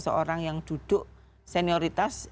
seseorang yang duduk senioritas